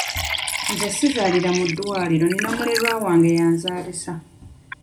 Nze sizaalira mu ddwaliro nina mulerwa wange y'anzaalisa.